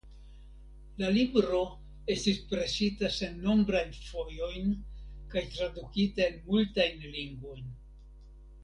La libro estis presita sennombrajn fojojn kaj tradukita en multajn lingvojn.